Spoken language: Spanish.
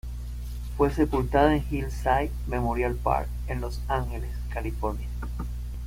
Fue sepultada en Hillside Memorial Park en Los Angeles, California.